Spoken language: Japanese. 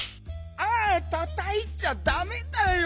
あったたいちゃダメだよ。